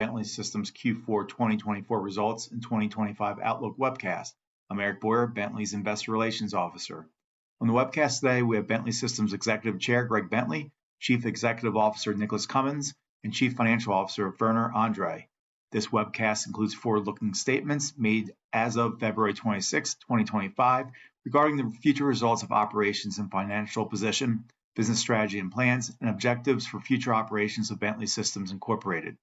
Bentley Systems Q4 2024 results and 2025 Outlook webcast. I'm Eric Boyer, Bentley's Investor Relations Officer. On the webcast today, we have Bentley Systems Executive Chair Greg Bentley, Chief Executive Officer Nicholas Cumins, and Chief Financial Officer Werner Andre. This webcast includes forward-looking statements made as of February 26th, 2025, regarding the future results of operations and financial position, business strategy and plans, and objectives for future operations of Bentley Systems Incorporated.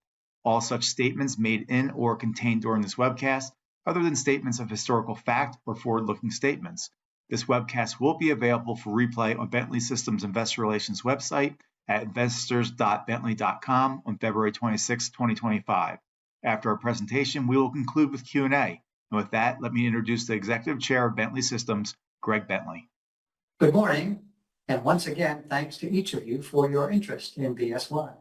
All such statements made in or contained during this webcast are other than statements of historical fact or forward-looking statements. This webcast will be available for replay on Bentley Systems Investor Relations website at investors.bentley.com on February 26th, 2025. After our presentation, we will conclude with Q&A. And with that, let me introduce the Executive Chair of Bentley Systems, Greg Bentley. Good morning, and once again, thanks to each of you for your interest in BSY.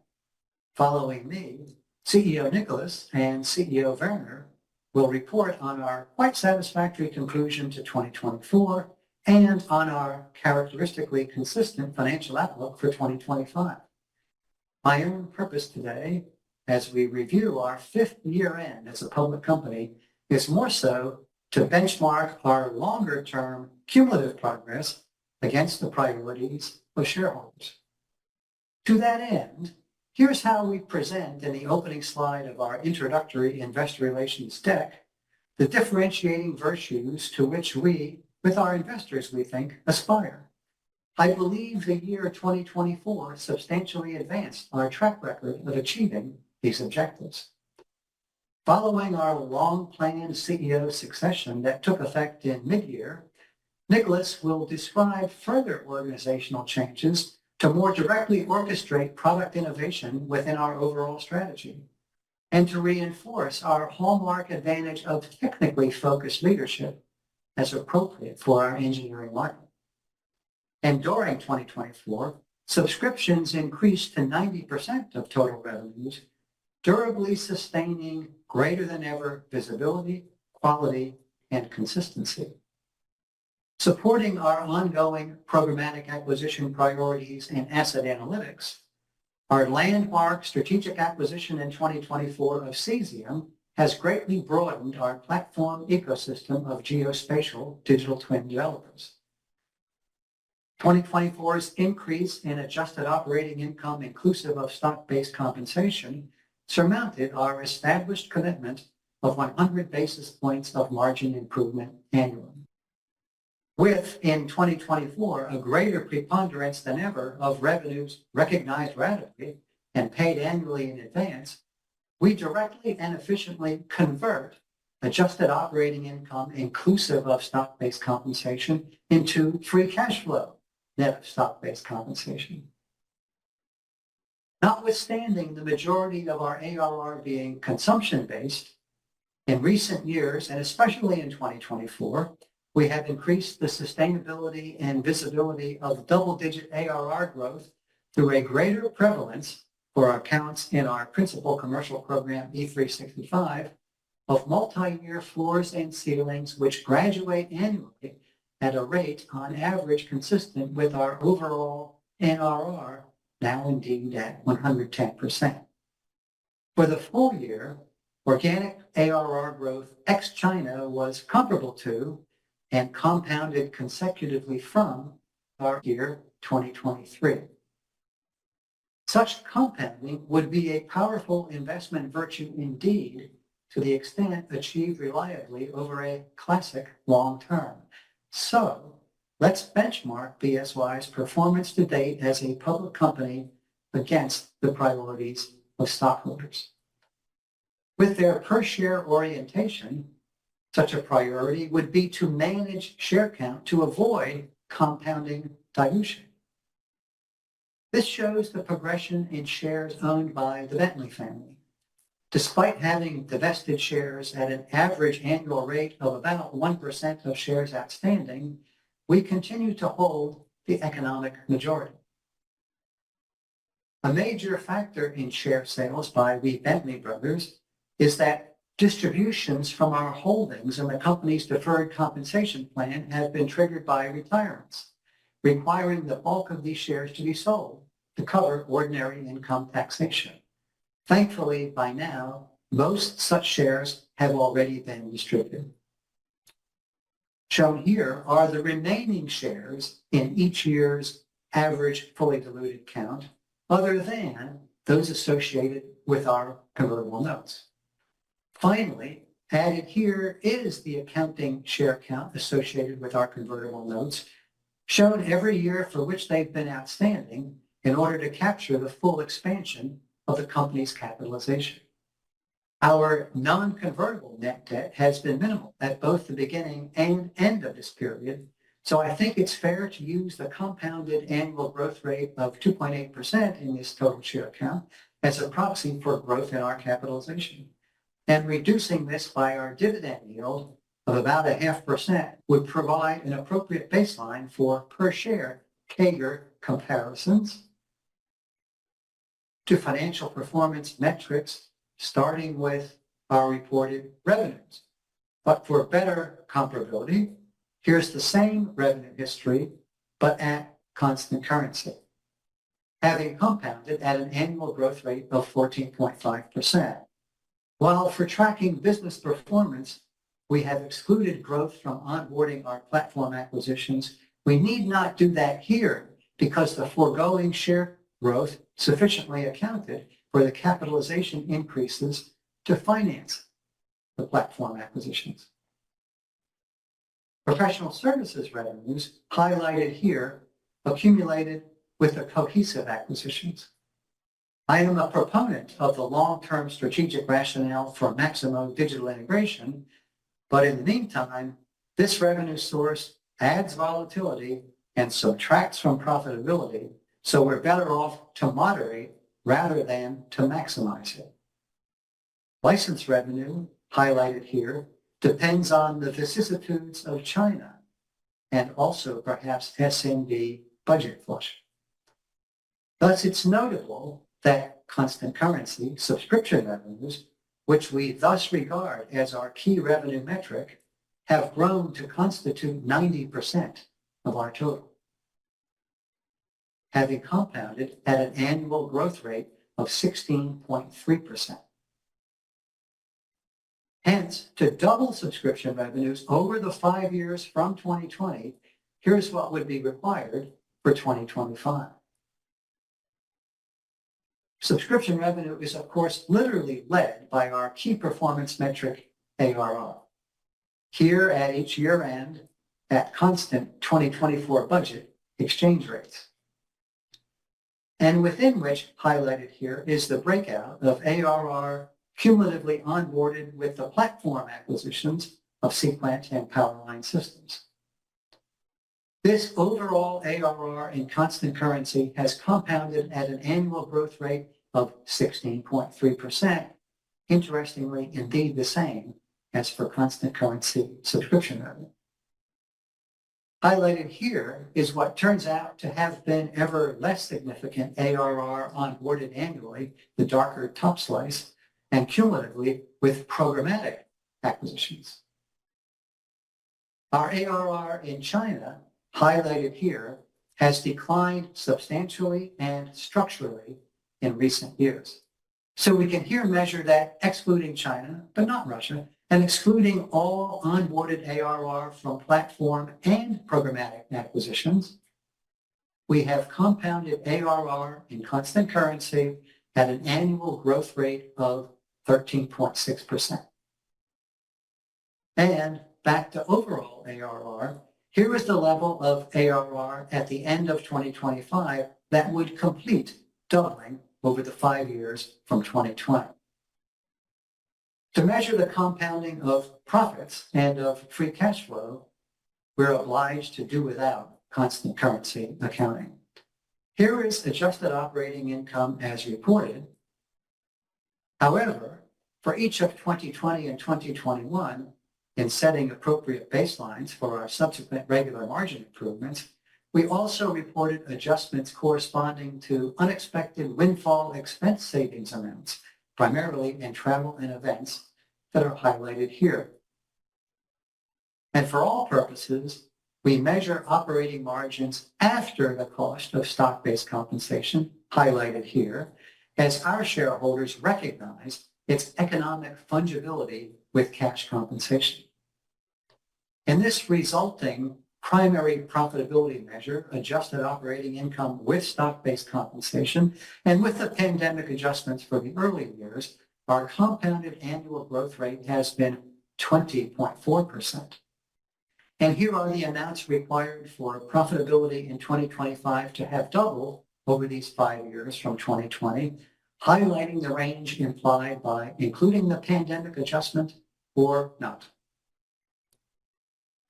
Following me, CEO Nicholas and CFO Werner will report on our quite satisfactory conclusion to 2024 and on our characteristically consistent financial outlook for 2025. My own purpose today, as we review our fifth year end as a public company, is more so to benchmark our longer term cumulative progress against the priorities of shareholders. To that end, here's how we present in the opening slide of our introductory investor relations deck the differentiating virtues to which we, with our investors, we think aspire. I believe the year 2024 substantially advanced our track record of achieving these objectives. Following our long-planned CEO succession that took effect in mid-year, Nicholas will describe further organizational changes to more directly orchestrate product innovation within our overall strategy and to reinforce our hallmark advantage of technically focused leadership as appropriate for our engineering market. And during 2024, subscriptions increased to 90% of total revenues, durably sustaining greater than ever visibility, quality, and consistency. Supporting our ongoing programmatic acquisition priorities and Asset Analytics, our landmark strategic acquisition in 2024 of Cesium has greatly broadened our platform ecosystem of geospatial digital twin developers. 2024's increase in adjusted operating income, inclusive of stock-based compensation, surmounted our established commitment of 100 basis points of margin improvement annually. With, in 2024, a greater preponderance than ever of revenues recognized ratably and paid annually in advance, we directly and efficiently convert adjusted operating income, inclusive of stock-based compensation, into free cash flow net of stock-based compensation. Notwithstanding the majority of our ARR being consumption-based, in recent years, and especially in 2024, we have increased the sustainability and visibility of double-digit ARR growth through a greater prevalence for our accounts in our principal commercial program, E365, of multi-year floors and ceilings, which graduate annually at a rate on average consistent with our overall NRR, now indeed at 110%. For the full year, organic ARR growth ex-China was comparable to and compounded consecutively from our year 2023. Such compounding would be a powerful investment virtue indeed to the extent achieved reliably over a classic long term. So let's benchmark BSY's performance to date as a public company against the priorities of stockholders. With their per-share orientation, such a priority would be to manage share count to avoid compounding dilution. This shows the progression in shares owned by the Bentley family. Despite having divested shares at an average annual rate of about 1% of shares outstanding, we continue to hold the economic majority. A major factor in share sales by the Bentley brothers is that distributions from our holdings and the company's deferred compensation plan have been triggered by retirements, requiring the bulk of these shares to be sold to cover ordinary income taxation. Thankfully, by now, most such shares have already been distributed. Shown here are the remaining shares in each year's average fully diluted count, other than those associated with our convertible notes. Finally, added here is the accounting share count associated with our convertible notes, shown every year for which they've been outstanding in order to capture the full expansion of the company's capitalization. Our non-convertible net debt has been minimal at both the beginning and end of this period, so I think it's fair to use the compounded annual growth rate of 2.8% in this total share count as a proxy for growth in our capitalization. Reducing this by our dividend yield of about 0.5% would provide an appropriate baseline for per-share CAGR comparisons to financial performance metrics, starting with our reported revenues. For better comparability, here's the same revenue history, but at constant currency, having compounded at an annual growth rate of 14.5%. While for tracking business performance, we have excluded growth from onboarding our platform acquisitions, we need not do that here because the foregoing share growth sufficiently accounted for the capitalization increases to finance the platform acquisitions. Professional services revenues highlighted here accumulated with the Cohesive acquisitions. I am a proponent of the long-term strategic rationale for maximum digital integration, but in the meantime, this revenue source adds volatility and subtracts from profitability, so we're better off to moderate rather than to maximize it. License revenue highlighted here depends on the vicissitudes of China and also perhaps SMB budget flush. Thus, it's notable that constant currency subscription revenues, which we thus regard as our key revenue metric, have grown to constitute 90% of our total, having compounded at an annual growth rate of 16.3%. Hence, to double subscription revenues over the five years from 2020, here's what would be required for 2025. Subscription revenue is, of course, literally led by our key performance metric, ARR, here at each year-end at constant 2024 budget exchange rates, and within which, highlighted here, is the breakout of ARR cumulatively onboarded with the platform acquisitions of Seequent and Power Line Systems. This overall ARR in constant currency has compounded at an annual growth rate of 16.3%, interestingly indeed the same as for constant currency subscription revenue. Highlighted here is what turns out to have been ever less significant ARR onboarded annually, the darker top slice, and cumulatively with programmatic acquisitions. Our ARR in China, highlighted here, has declined substantially and structurally in recent years. So we can here measure that excluding China, but not Russia, and excluding all onboarded ARR from platform and programmatic acquisitions, we have compounded ARR in constant currency at an annual growth rate of 13.6%. And back to overall ARR, here is the level of ARR at the end of 2025 that would complete doubling over the five years from 2020. To measure the compounding of profits and of free cash flow, we're obliged to do without constant currency accounting. Here is adjusted operating income as reported. However, for each of 2020 and 2021, in setting appropriate baselines for our subsequent regular margin improvements, we also reported adjustments corresponding to unexpected windfall expense savings amounts, primarily in travel and events that are highlighted here. And for all purposes, we measure operating margins after the cost of stock-based compensation, highlighted here, as our shareholders recognize its economic fungibility with cash compensation. In this resulting primary profitability measure, adjusted operating income with stock-based compensation and with the pandemic adjustments for the early years, our compounded annual growth rate has been 20.4%. And here are the amounts required for profitability in 2025 to have doubled over these five years from 2020, highlighting the range implied by including the pandemic adjustment or not.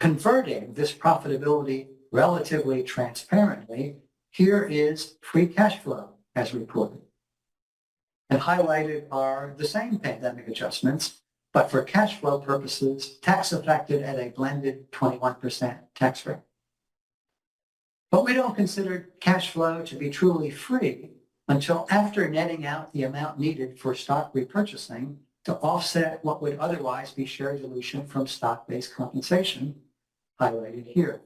Converting this profitability relatively transparently, here is free cash flow as reported. And highlighted are the same pandemic adjustments, but for cash flow purposes, tax affected at a blended 21% tax rate. But we don't consider cash flow to be truly free until after netting out the amount needed for stock repurchasing to offset what would otherwise be share dilution from stock-based compensation, highlighted here.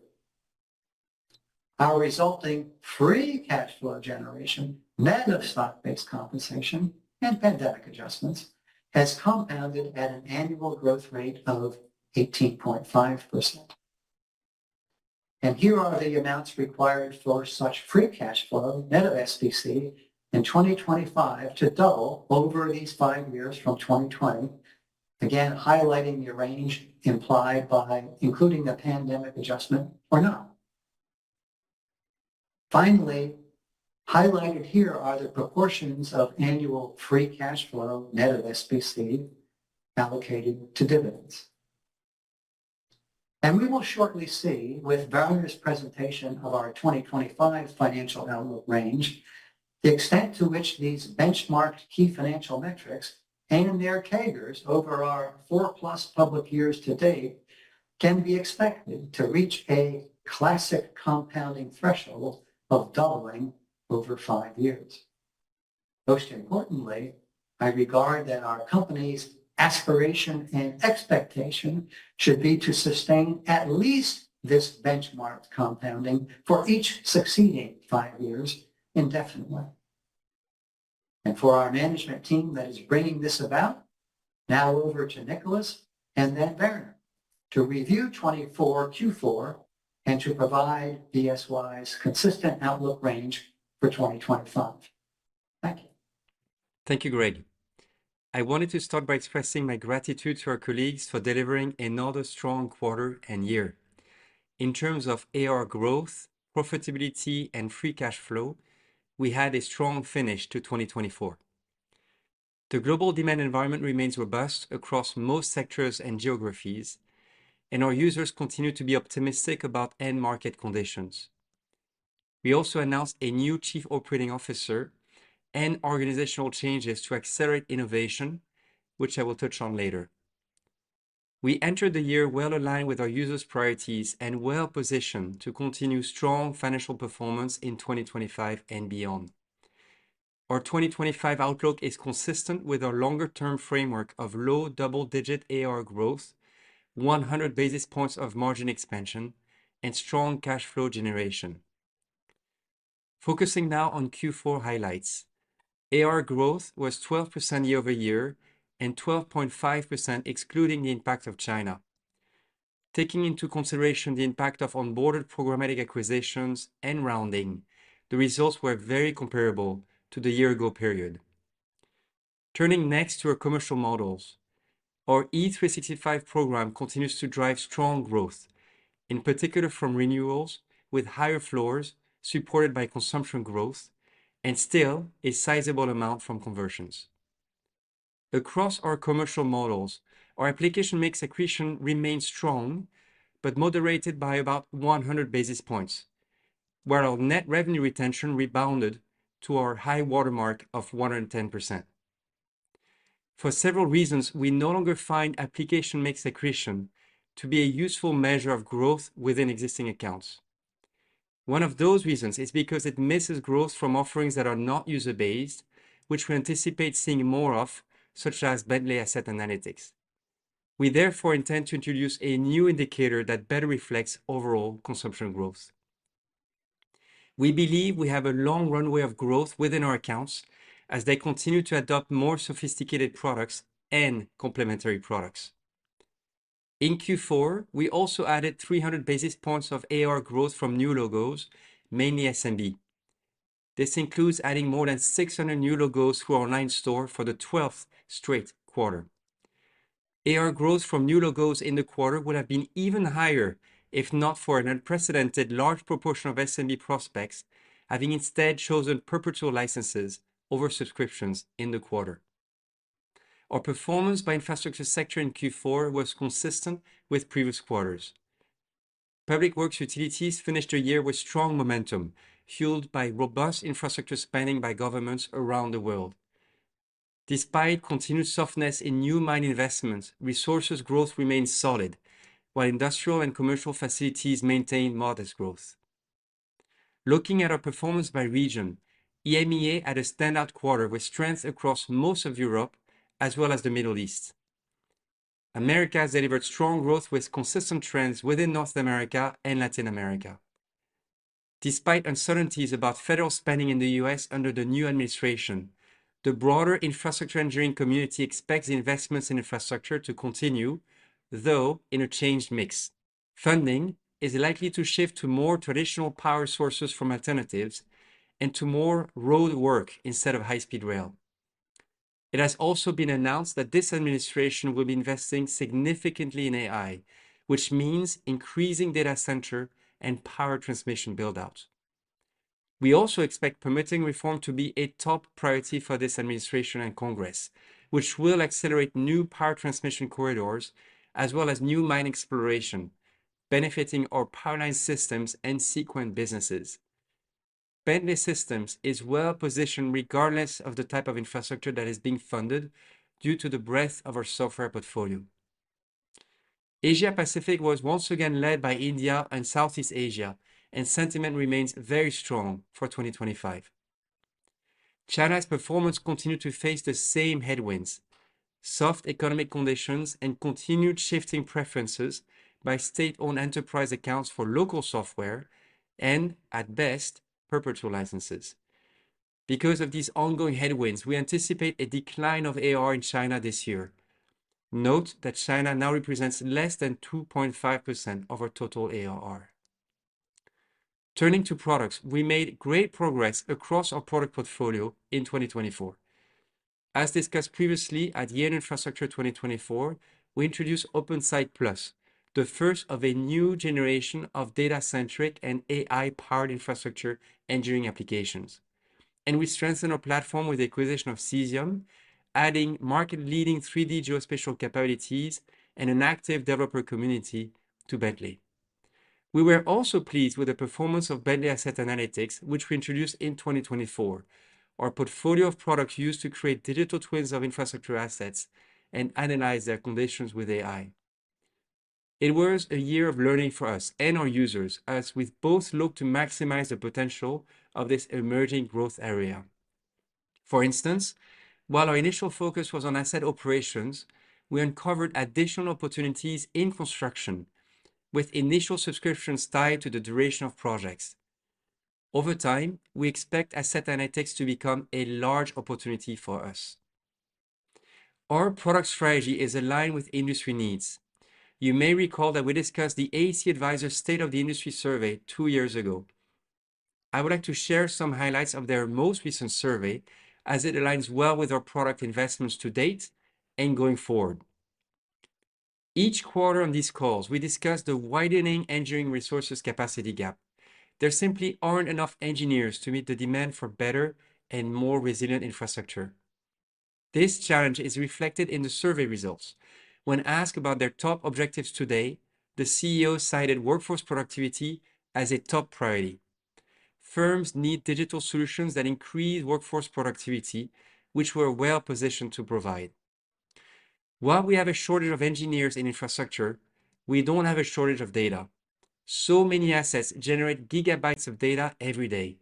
Our resulting free cash flow generation, net of stock-based compensation and pandemic adjustments, has compounded at an annual growth rate of 18.5%. And here are the amounts required for such free cash flow, net of SBC, in 2025 to double over these five years from 2020, again highlighting the range implied by including the pandemic adjustment or not. Finally, highlighted here are the proportions of annual free cash flow, net of SBC, allocated to dividends. We will shortly see, with Werner's presentation of our 2025 financial outlook range, the extent to which these benchmarked key financial metrics and their CAGRs over our four-plus public years to date can be expected to reach a classic compounding threshold of doubling over five years. Most importantly, I regard that our company's aspiration and expectation should be to sustain at least this benchmarked compounding for each succeeding five years indefinitely. For our management team that is bringing this about, now over to Nicholas and then Werner to review 2024 Q4 and to provide BSY's consistent outlook range for 2025. Thank you. Thank you, Gregory. I wanted to start by expressing my gratitude to our colleagues for delivering another strong quarter and year. In terms of ARR growth, profitability, and free cash flow, we had a strong finish to 2024. The global demand environment remains robust across most sectors and geographies, and our users continue to be optimistic about end market conditions. We also announced a new Chief Operating Officer and organizational changes to accelerate innovation, which I will touch on later. We entered the year well aligned with our users' priorities and well positioned to continue strong financial performance in 2025 and beyond. Our 2025 outlook is consistent with our longer term framework of low double digit ARR growth, 100 basis points of margin expansion, and strong cash flow generation. Focusing now on Q4 highlights, ARR growth was 12% year-over-year and 12.5% excluding the impact of China. Taking into consideration the impact of onboarded programmatic acquisitions and rounding, the results were very comparable to the year-ago period. Turning next to our commercial models, our E365 program continues to drive strong growth, in particular from renewals with higher floors supported by consumption growth and still a sizable amount from conversions. Across our commercial models, our application mix accretion remained strong, but moderated by about 100 basis points, while our net revenue retention rebounded to our high watermark of 110%. For several reasons, we no longer find application mix accretion to be a useful measure of growth within existing accounts. One of those reasons is because it misses growth from offerings that are not user-based, which we anticipate seeing more of, such as Bentley Asset Analytics. We therefore intend to introduce a new indicator that better reflects overall consumption growth. We believe we have a long runway of growth within our accounts as they continue to adopt more sophisticated products and complementary products. In Q4, we also added 300 basis points of ARR growth from new logos, mainly SMB. This includes adding more than 600 new logos to our online store for the 12th straight quarter. ARR growth from new logos in the quarter would have been even higher if not for an unprecedented large proportion of SMB prospects having instead chosen perpetual licenses over subscriptions in the quarter. Our performance by infrastructure sector in Q4 was consistent with previous quarters. Public works utilities finished the year with strong momentum, fueled by robust infrastructure spending by governments around the world. Despite continued softness in new mine investments, resources growth remained solid, while industrial and commercial facilities maintained modest growth. Looking at our performance by region, EMEA had a standout quarter with strength across most of Europe as well as the Middle East. America has delivered strong growth with consistent trends within North America and Latin America. Despite uncertainties about federal spending in the U.S. under the new administration, the broader infrastructure engineering community expects investments in infrastructure to continue, though in a changed mix. Funding is likely to shift to more traditional power sources from alternatives and to more road work instead of high-speed rail. It has also been announced that this administration will be investing significantly in AI, which means increasing data center and power transmission buildout. We also expect permitting reform to be a top priority for this administration and Congress, which will accelerate new power transmission corridors as well as new mine exploration, benefiting our Power Line Systems and Seequent businesses. Bentley Systems is well positioned regardless of the type of infrastructure that is being funded due to the breadth of our software portfolio. Asia-Pacific was once again led by India and Southeast Asia, and sentiment remains very strong for 2025. China's performance continued to face the same headwinds: soft economic conditions and continued shifting preferences by state-owned enterprise accounts for local software and, at best, perpetual licenses. Because of these ongoing headwinds, we anticipate a decline of ARR in China this year. Note that China now represents less than 2.5% of our total ARR. Turning to products, we made great progress across our product portfolio in 2024. As discussed previously at Year in Infrastructure 2024, we introduced OpenSite+, the first of a new generation of data-centric and AI-powered infrastructure engineering applications, and we strengthened our platform with the acquisition of Cesium, adding market-leading 3D geospatial capabilities and an active developer community to Bentley. We were also pleased with the performance of Bentley Asset Analytics, which we introduced in 2024, our portfolio of products used to create digital twins of infrastructure assets and analyze their conditions with AI. It was a year of learning for us and our users, as we both looked to maximize the potential of this emerging growth area. For instance, while our initial focus was on asset operations, we uncovered additional opportunities in construction, with initial subscriptions tied to the duration of projects. Over time, we expect asset analytics to become a large opportunity for us. Our product strategy is aligned with industry needs. You may recall that we discussed the AEC Advisors State of the Industry survey two years ago. I would like to share some highlights of their most recent survey, as it aligns well with our product investments to date and going forward. Each quarter on these calls, we discuss the widening engineering resources capacity gap. There simply aren't enough engineers to meet the demand for better and more resilient infrastructure. This challenge is reflected in the survey results. When asked about their top objectives today, the CEO cited workforce productivity as a top priority. Firms need digital solutions that increase workforce productivity, which we're well positioned to provide. While we have a shortage of engineers in infrastructure, we don't have a shortage of data. So many assets generate gigabytes of data every day,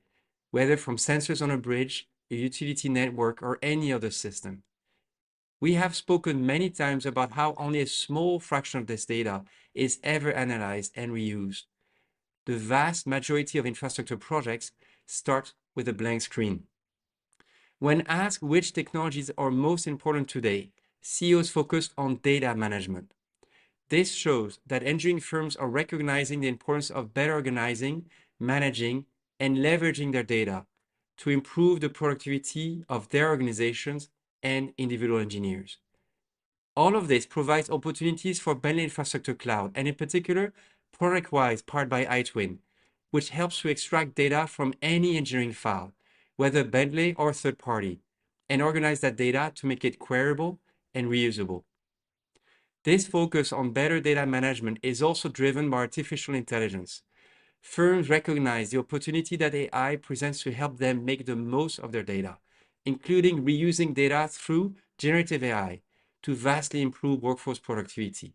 whether from sensors on a bridge, a utility network, or any other system. We have spoken many times about how only a small fraction of this data is ever analyzed and reused. The vast majority of infrastructure projects start with a blank screen. When asked which technologies are most important today, CEOs focused on data management. This shows that engineering firms are recognizing the importance of better organizing, managing, and leveraging their data to improve the productivity of their organizations and individual engineers. All of this provides opportunities for Bentley Infrastructure Cloud, and in particular, product-wise powered by iTwin, which helps you extract data from any engineering file, whether Bentley or third party, and organize that data to make it query-able and reusable. This focus on better data management is also driven by artificial intelligence. Firms recognize the opportunity that AI presents to help them make the most of their data, including reusing data through generative AI to vastly improve workforce productivity.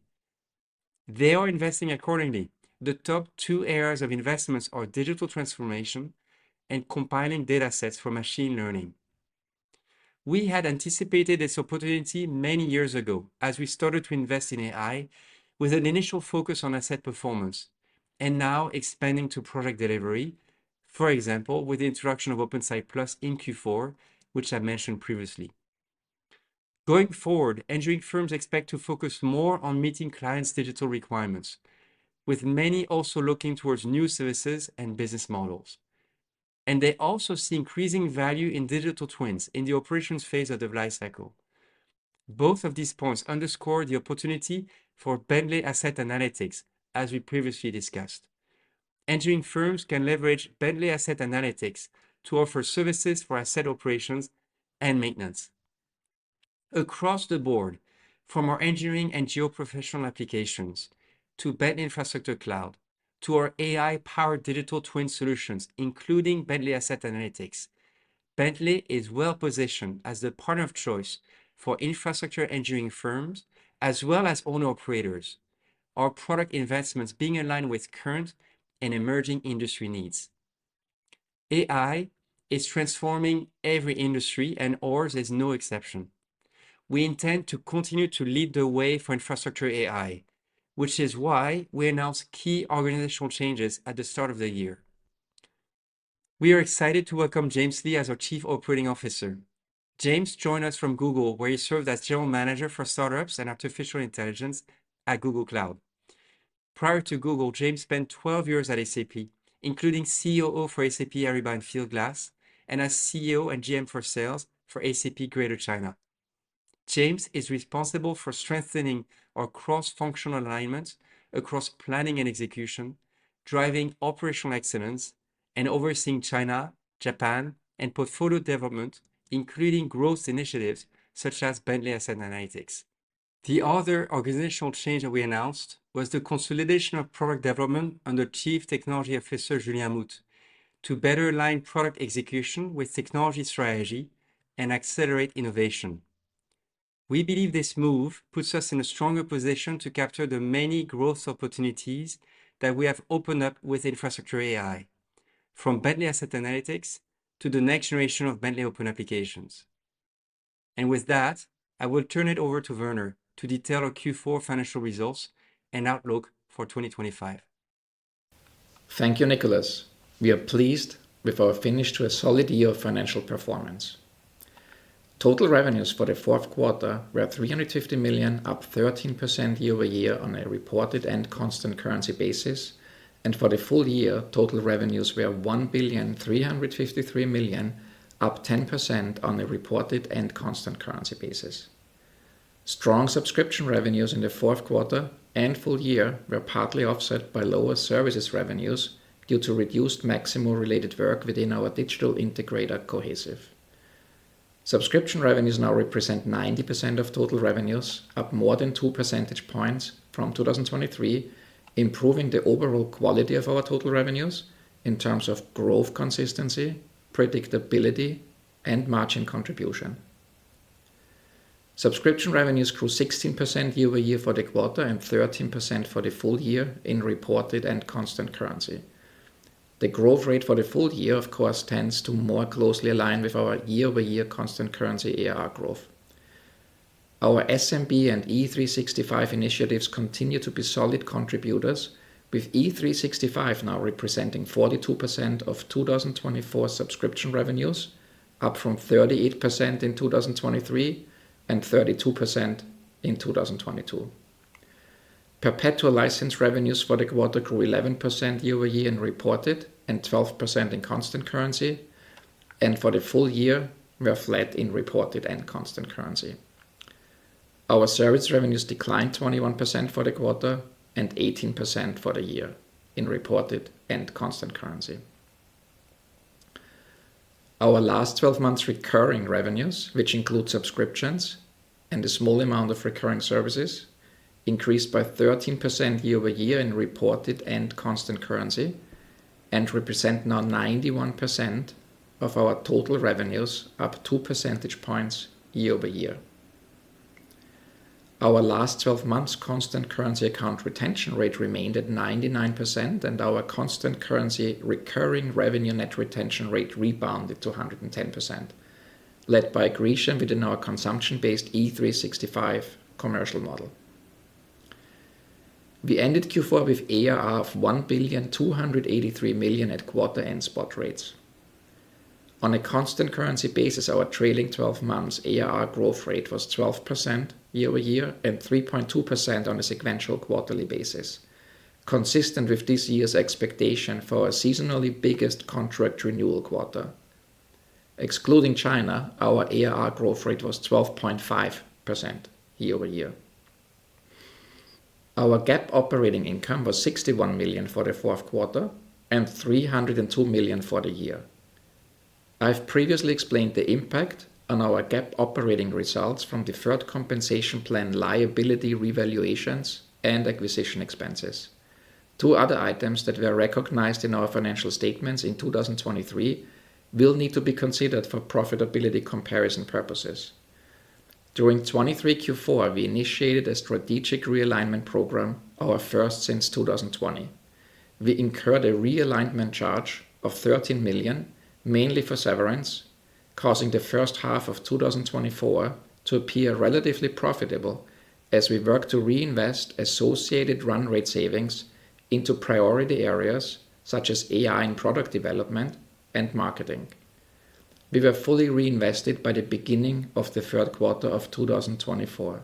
They are investing accordingly. The top two areas of investments are digital transformation and compiling data sets for machine learning. We had anticipated this opportunity many years ago as we started to invest in AI with an initial focus on asset performance and now expanding to product delivery, for example, with the introduction of OpenSite+ in Q4, which I mentioned previously. Going forward, engineering firms expect to focus more on meeting clients' digital requirements, with many also looking towards new services and business models, and they also see increasing value in digital twins in the operations phase of the life cycle. Both of these points underscore the opportunity for Bentley Asset Analytics, as we previously discussed. Engineering firms can leverage Bentley Asset Analytics to offer services for asset operations and maintenance. Across the board, from our engineering and geo-professional applications to Bentley Infrastructure Cloud to our AI-powered digital twin solutions, including Bentley Asset Analytics, Bentley is well positioned as the partner of choice for infrastructure engineering firms as well as owner-operators, our product investments being aligned with current and emerging industry needs. AI is transforming every industry, and ours is no exception. We intend to continue to lead the way for infrastructure AI, which is why we announced key organizational changes at the start of the year. We are excited to welcome James Lee as our Chief Operating Officer. James joined us from Google, where he served as General Manager for Startups and Artificial Intelligence at Google Cloud. Prior to Google, James spent 12 years at ACP, including COO for ACP Ariba Fieldglass and as CEO and GM for Sales for ACP Greater China. James is responsible for strengthening our cross-functional alignment across planning and execution, driving operational excellence, and overseeing China, Japan, and portfolio development, including growth initiatives such as Bentley Asset Analytics. The other organizational change that we announced was the consolidation of product development under Chief Technology Officer Julien Moutte to better align product execution with technology strategy and accelerate innovation. We believe this move puts us in a stronger position to capture the many growth opportunities that we have opened up with infrastructure AI, from Bentley Asset Analytics to the next generation of Bentley Open Applications. And with that, I will turn it over to Werner to detail our Q4 financial results and outlook for 2025. Thank you, Nicholas. We are pleased with our finish to a solid year of financial performance. Total revenues for the Q4 were $350 million, up 13% year-over-year on a reported and constant currency basis. For the full year, total revenues were $1,353 million, up 10% on a reported and constant currency basis. Strong subscription revenues in the Q4 and full year were partly offset by lower services revenues due to reduced maintenance-related work within our digital integrator, Cohesive. Subscription revenues now represent 90% of total revenues, up more than 2 percentage points from 2023, improving the overall quality of our total revenues in terms of growth consistency, predictability, and margin contribution. Subscription revenues grew 16% year-over-year for the quarter and 13% for the full year in reported and constant currency. The growth rate for the full year, of course, tends to more closely align with our year-over-year constant currency ARR growth. Our SMB and E365 initiatives continue to be solid contributors, with E365 now representing 42% of 2024 subscription revenues, up from 38% in 2023 and 32% in 2022. Perpetual license revenues for the quarter grew 11% year-over-year in reported and 12% in constant currency, and for the full year were flat in reported and constant currency. Our service revenues declined 21% for the quarter and 18% for the year in reported and constant currency. Our last 12 months' recurring revenues, which include subscriptions and a small amount of recurring services, increased by 13% year-over-year in reported and constant currency and represent now 91% of our total revenues, up 2 percentage points year-over-year. Our last 12 months' constant currency account retention rate remained at 99%, and our constant currency recurring revenue net retention rate rebounded to 110%, led by a creation within our consumption-based E365 commercial model. We ended Q4 with ARR of $1,283 million at quarter-end spot rates. On a constant currency basis, our trailing 12 months' ARR growth rate was 12% year-over-year and 3.2% on a sequential quarterly basis, consistent with this year's expectation for our seasonally biggest contract renewal quarter. Excluding China, our ARR growth rate was 12.5% year-over-year. Our GAAP operating income was $61 million for the Q4 and $302 million for the year. I've previously explained the impact on our GAAP operating results from deferred compensation plan liability revaluations and acquisition expenses. Two other items that were recognized in our financial statements in 2023 will need to be considered for profitability comparison purposes. During 2023 Q4, we initiated a strategic realignment program, our first since 2020. We incurred a realignment charge of $13 million, mainly for severance, causing the first half of 2024 to appear relatively profitable as we work to reinvest associated run rate savings into priority areas such as AI and product development and marketing. We were fully reinvested by the beginning of the Q3 of 2024.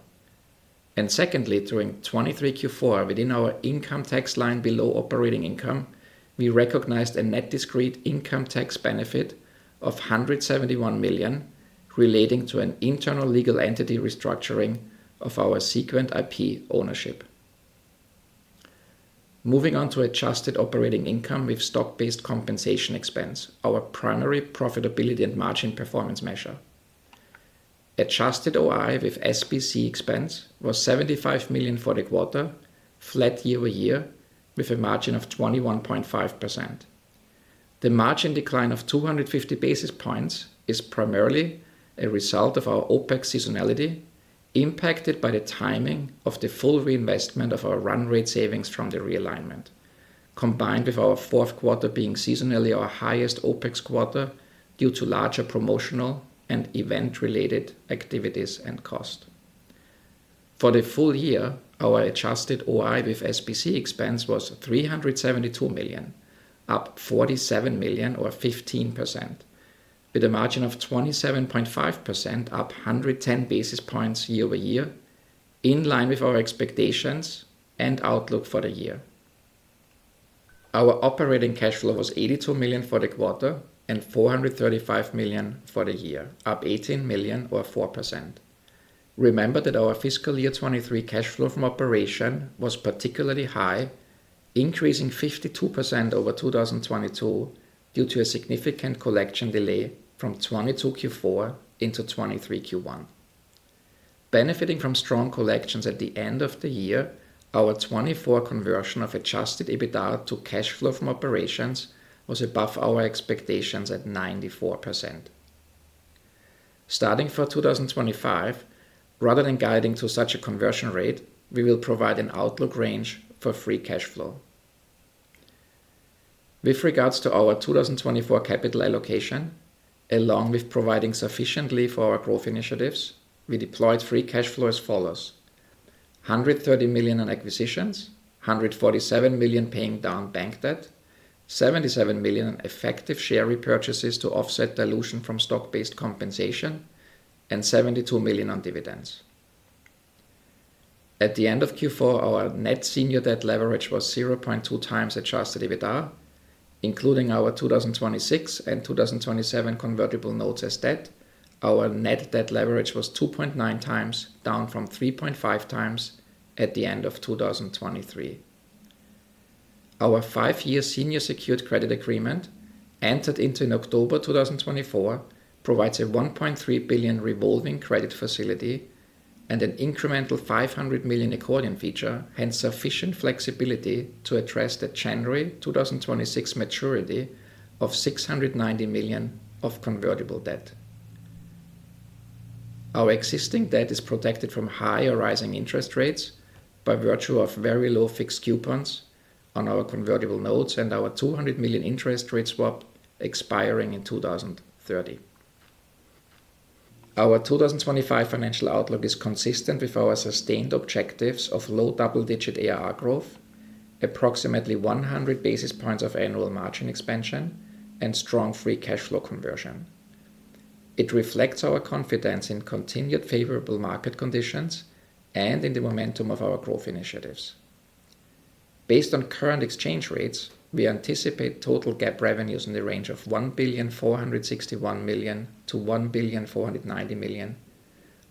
And secondly, during 2023 Q4, within our income tax line below operating income, we recognized a net discrete income tax benefit of $171 million relating to an internal legal entity restructuring of our Seequent IP ownership. Moving on to adjusted operating income with stock-based compensation expense, our primary profitability and margin performance measure. Adjusted OI with SBC expense was $75 million for the quarter, flat year-over-year, with a margin of 21.5%. The margin decline of 250 basis points is primarily a result of our OPEX seasonality impacted by the timing of the full reinvestment of our run rate savings from the realignment, combined with our Q4 being seasonally our highest OPEX quarter due to larger promotional and event-related activities and cost. For the full year, our adjusted OI with SBC expense was $372 million, up $47 million or 15%, with a margin of 27.5%, up 110 basis points year-over-year, in line with our expectations and outlook for the year. Our operating cash flow was $82 million for the quarter and $435 million for the year, up $18 million or 4%. Remember that our fiscal year 2023 cash flow from operation was particularly high, increasing 52% over 2022 due to a significant collection delay from 2022 Q4 into 2023 Q1. Benefiting from strong collections at the end of the year, our 2024 conversion of Adjusted EBITDA to cash flow from operations was above our expectations at 94%. Starting for 2025, rather than guiding to such a conversion rate, we will provide an outlook range for Free Cash Flow. With regards to our 2024 capital allocation, along with providing sufficiently for our growth initiatives, we deployed Free Cash Flow as follows: $130 million on acquisitions, $147 million paying down bank debt, $77 million on effective share repurchases to offset dilution from Stock-Based Compensation, and $72 million on dividends. At the end of Q4, our net senior debt leverage was 0.2 times Adjusted EBITDA. Including our 2026 and 2027 convertible notes as debt, our net debt leverage was 2.9 times, down from 3.5 times at the end of 2023. Our five-year senior secured credit agreement entered into in October 2024 provides a $1.3 billion revolving credit facility and an incremental $500 million accordion feature, hence sufficient flexibility to address the January 2026 maturity of $690 million of convertible debt. Our existing debt is protected from higher rising interest rates by virtue of very low fixed coupons on our convertible notes and our $200 million interest rate swap expiring in 2030. Our 2025 financial outlook is consistent with our sustained objectives of low double-digit ARR growth, approximately 100 basis points of annual margin expansion, and strong free cash flow conversion. It reflects our confidence in continued favorable market conditions and in the momentum of our growth initiatives. Based on current exchange rates, we anticipate total GAAP revenues in the range of $1,461 million to 1,490 million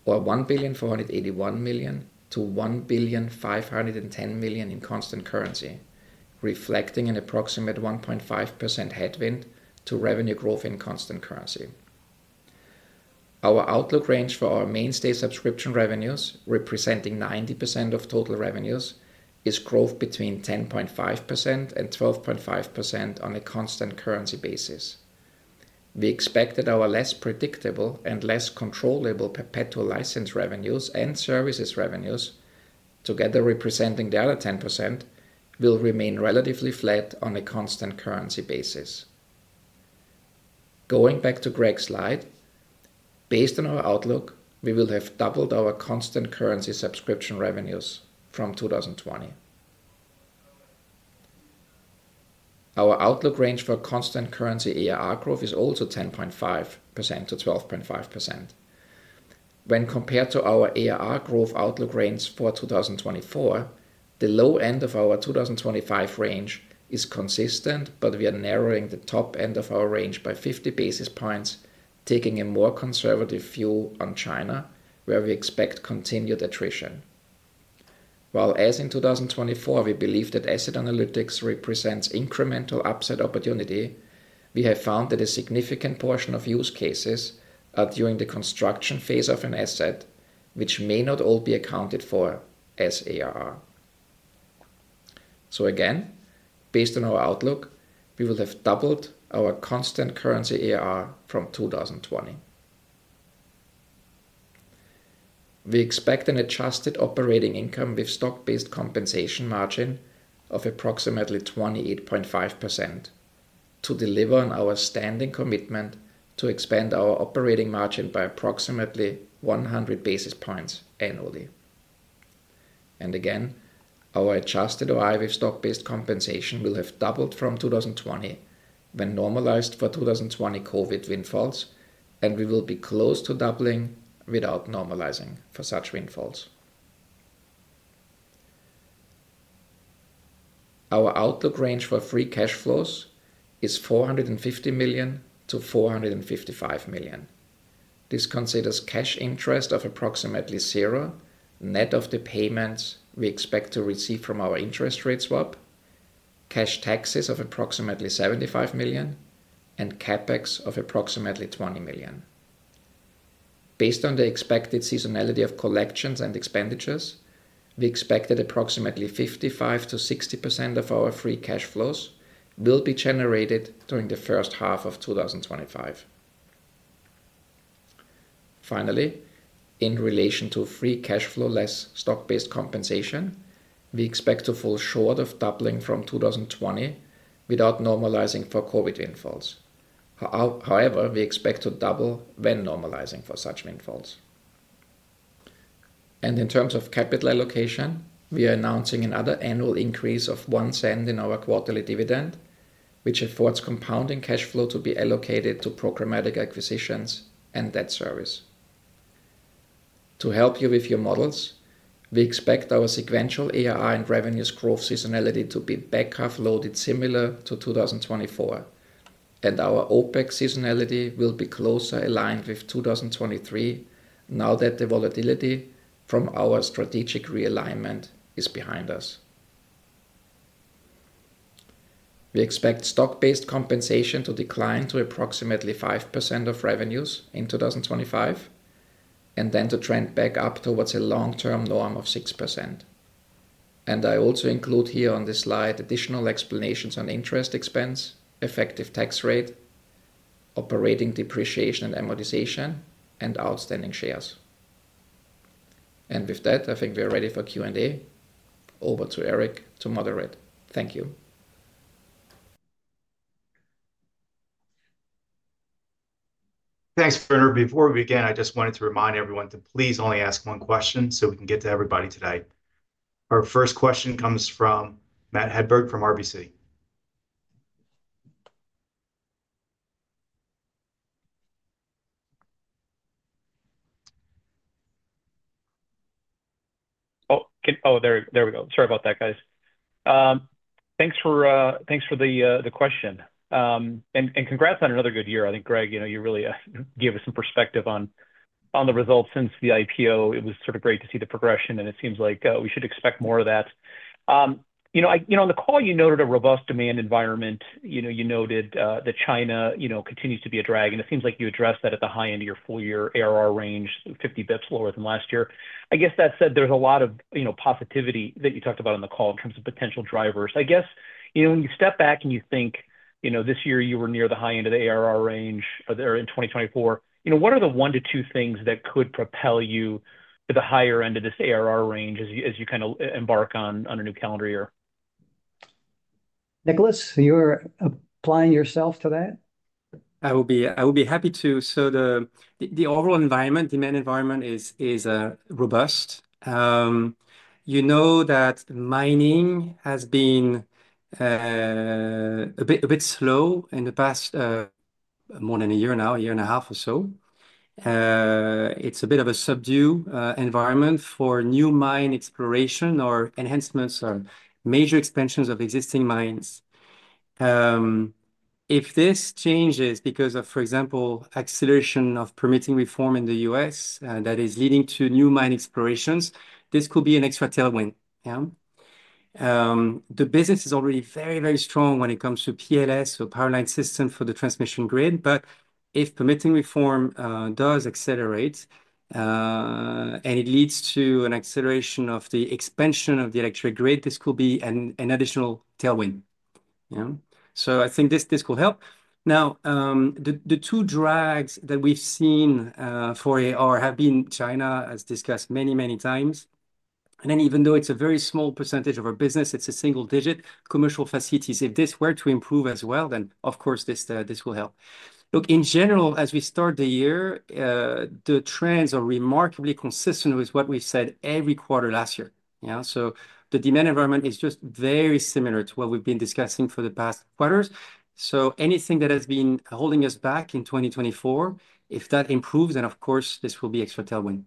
or $1,481 million to 1,510 million in constant currency, reflecting an approximate 1.5% headwind to revenue growth in constant currency. Our outlook range for our mainstay subscription revenues, representing 90% of total revenues, is growth between 10.5% to 12.5% on a constant currency basis. We expect that our less predictable and less controllable perpetual license revenues and services revenues, together representing the other 10%, will remain relatively flat on a constant currency basis. Going back to Greg's slide, based on our outlook, we will have doubled our constant currency subscription revenues from 2020. Our outlook range for constant currency ARR growth is also 10.5% to 12.5%. When compared to our ARR growth outlook range for 2024, the low end of our 2025 range is consistent, but we are narrowing the top end of our range by 50 basis points, taking a more conservative view on China, where we expect continued attrition. While, as in 2024, we believe that asset analytics represents incremental upside opportunity, we have found that a significant portion of use cases are during the construction phase of an asset, which may not all be accounted for as ARR. So again, based on our outlook, we will have doubled our constant currency ARR from 2020. We expect an adjusted operating income with stock-based compensation margin of approximately 28.5% to deliver on our standing commitment to expand our operating margin by approximately 100 basis points annually. Again, our adjusted OI with stock-based compensation will have doubled from 2020 when normalized for 2020 COVID windfalls, and we will be close to doubling without normalizing for such windfalls. Our outlook range for free cash flows is $450 million to $455 million. This considers cash interest of approximately zero, net of the payments we expect to receive from our interest rate swap, cash taxes of approximately $75 million, and CapEx of approximately $20 million. Based on the expected seasonality of collections and expenditures, we expect that approximately 55% to 60% of our free cash flows will be generated during the first half of 2025. Finally, in relation to free cash flow less stock-based compensation, we expect to fall short of doubling from 2020 without normalizing for COVID windfalls. However, we expect to double when normalizing for such windfalls. And in terms of capital allocation, we are announcing another annual increase of $0.01 in our quarterly dividend, which affords compounding cash flow to be allocated to programmatic acquisitions and debt service. To help you with your models, we expect our sequential ARR and revenues growth seasonality to be back half loaded similar to 2024, and our OpEx seasonality will be closer aligned with 2023 now that the volatility from our strategic realignment is behind us. We expect stock-based compensation to decline to approximately 5% of revenues in 2025 and then to trend back up towards a long-term norm of 6%. And I also include here on this slide additional explanations on interest expense, effective tax rate, operating depreciation and amortization, and outstanding shares. And with that, I think we are ready for Q&A. Over to Eric to moderate. Thank you. Thanks, Werner. Before we begin, I just wanted to remind everyone to please only ask one question so we can get to everybody today. Our first question comes from Matt Hedberg from RBC. Oh, there we go. Sorry about that, guys. Thanks for the question, and congrats on another good year. I think, Greg, you really gave us some perspective on the results since the IPO. It was sort of great to see the progression, and it seems like we should expect more of that. On the call, you noted a robust demand environment. You noted that China continues to be a drag, and it seems like you addressed that at the high end of your full-year ARR range, 50 basis points lower than last year. I guess that said, there's a lot of positivity that you talked about on the call in terms of potential drivers. I guess when you step back and you think this year you were near the high end of the ARR range in 2024, what are the one to two things that could propel you to the higher end of this ARR range as you kind of embark on a new calendar year? Nicholas, you're applying yourself to that? I will be happy to. So the overall environment, demand environment, is robust. You know that mining has been a bit slow in the past more than a year now, a year and a half or so. It's a bit of a subdued environment for new mine exploration or enhancements or major expansions of existing mines. If this changes because of, for example, acceleration of permitting reform in the U.S. that is leading to new mine explorations, this could be an extra tailwind. The business is already very, very strong when it comes to PLS, so Power Line Systems for the transmission grid. But if permitting reform does accelerate and it leads to an acceleration of the expansion of the electric grid, this could be an additional tailwind. So I think this could help. Now, the two drags that we've seen for ARR have been China as discussed many, many times. And then even though it's a very small percentage of our business, it's a single-digit commercial facilities. If this were to improve as well, then of course this will help. Look, in general, as we start the year, the trends are remarkably consistent with what we've said every quarter last year. So the demand environment is just very similar to what we've been discussing for the past quarters. So anything that has been holding us back in 2024, if that improves, then of course this will be extra tailwind.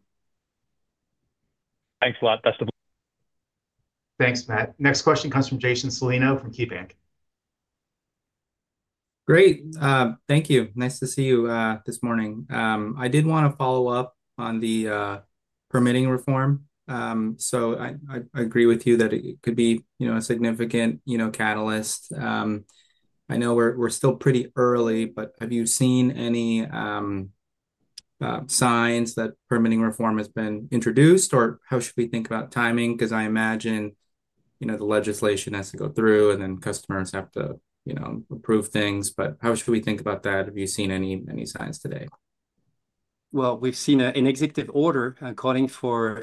Thanks a lot. Best of luck. Thanks, Matt. Next question comes from Jason Celino from KeyBanc. Great. Thank you. Nice to see you this morning. I did want to follow up on the permitting reform. So I agree with you that it could be a significant catalyst. I know we're still pretty early, but have you seen any signs that permitting reform has been introduced? Or how should we think about timing? Because I imagine the legislation has to go through and then customers have to approve things. But how should we think about that? Have you seen any signs today? Well, we've seen an executive order calling for